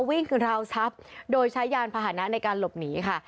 วิ่งคือราวทรัพย์โดยใช้ยานพาหนะในการหลบหนีค่ะ